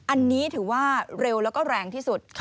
อันนี้ถือว่าเร็วแล้วก็แรงที่สุด